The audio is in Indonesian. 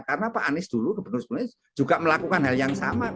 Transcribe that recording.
karena pak anies dulu sebenarnya juga melakukan hal yang sama